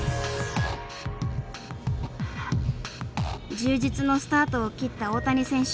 充実のスタートを切った大谷選手。